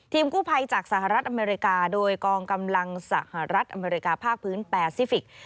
กู้ภัยจากสหรัฐอเมริกาโดยกองกำลังสหรัฐอเมริกาภาคพื้นแปซิฟิกส์